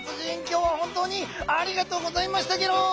今日は本当にありがとうございましたゲロー！